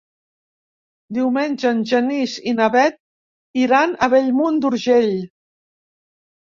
Diumenge en Genís i na Bet iran a Bellmunt d'Urgell.